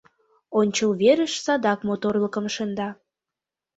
Ончыл верыш садак моторлыкым шында.